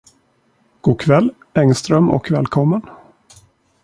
Gokväll, Engström, och välkommen.